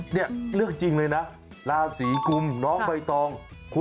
เนี่ยเลือกจริงเลยนะราศีกุมน้องใบตอง